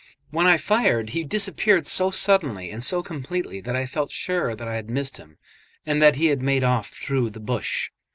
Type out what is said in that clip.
When I fired, he disappeared so suddenly and so completely that I felt sure that I had missed him, and that he had made off through the bush.